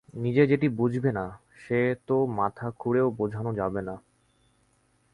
নিজে যেটি বুঝবে না সে তো মাথা খুঁড়েও বুঝানো যাবে না।